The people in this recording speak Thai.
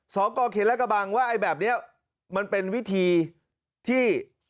สกเขตและกระบังว่าไอ้แบบนี้มันเป็นวิธีที่